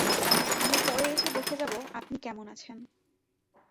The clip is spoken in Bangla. আমি পরে এসে দেখে যাব আপনক কেমন আছেন।